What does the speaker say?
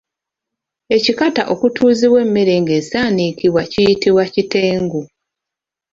Ekikata okutuuzibwa emmere ng’esaanikibwa kiyitibwa kitengu.